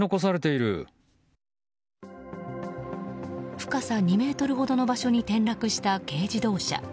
深さ２ｍほどの場所に転落した軽自動車。